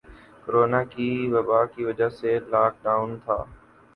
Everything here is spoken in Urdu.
کورونا کی وبا کی وجہ سے لاک ڈاؤن تھا